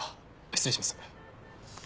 失礼します。